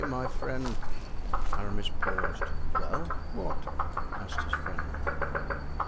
—my friend——" Aramis paused. "Well? what?" asked his friend.